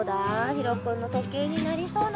ひろくんのとけいになりそうな